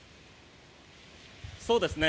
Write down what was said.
そうですね。